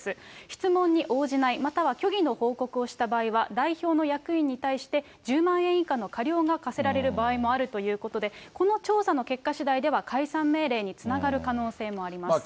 質問に応じない、または虚偽の報告をした場合は、代表の役員に対して、１０万円以下の過料が課せられる場合もあるということで、この調査の結果しだいでは、解散命令につながる可能性もあります。